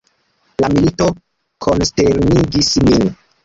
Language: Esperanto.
La milito konsternigis nin.